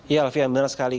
ya alfian benar sekali